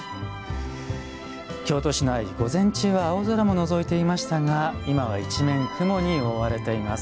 京都市内、午前中は青空ものぞいていましたが今は一面、雲に覆われています。